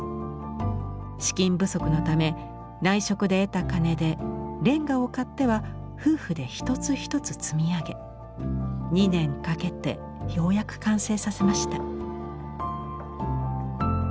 資金不足のため内職で得た金でレンガを買っては夫婦で一つ一つ積み上げ２年かけてようやく完成させました。